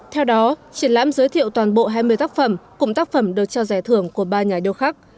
theo đó triển lãm giới thiệu toàn bộ hai mươi tác phẩm cùng tác phẩm được trao giải thưởng của ba nhà điêu khắc